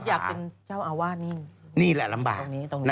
อยากเป็นเจ้าอาวาสนี่นี่แหละลำบากตรงนี้ตรงนี้